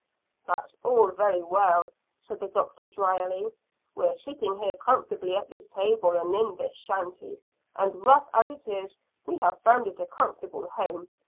"That's all very well," said the doctor dryly. "We're sitting here comfortably at this table, and in this shanty, and rough as it is we have found it a comfortable home.